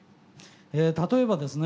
例えばですね